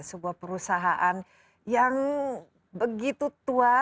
sebuah perusahaan yang begitu tua